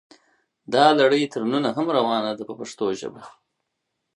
دا لړۍ تر ننه هم روانه ده په پښتو ژبه.